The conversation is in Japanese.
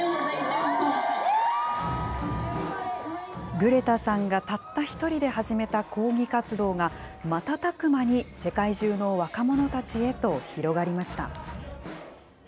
グレタさんがたった一人で始めた抗議活動が、瞬く間に世界中の若者たちへと広がりました。